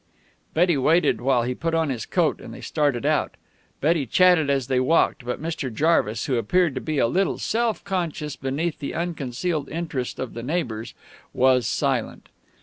Betty waited while he put on his coat, and they started out. Betty chatted as they walked, but Mr. Jarvis, who appeared a little self conscious beneath the unconcealed interest of the neighbors, was silent.